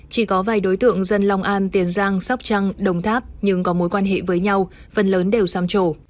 chỉ có vài đối tượng dân long an tiền giang sóc trăng đồng tháp nhưng có mối quan hệ với nhau phần lớn đều xăm trổ